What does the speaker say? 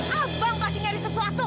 abang pasti nyari sesuatu